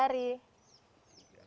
berapa hari dah